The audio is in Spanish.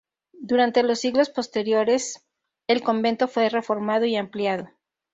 Durante los siglos posteriores el convento fue reformado y ampliado.